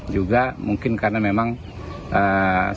juga mungkin karena memang seorang perempuan yang berpandangan